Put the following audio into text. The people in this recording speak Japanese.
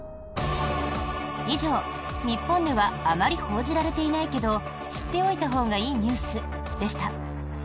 以上、日本ではあまり報じられていないけど知っておいたほうがいいニュースでした。